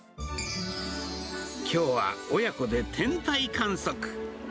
きょうは親子で天体観測。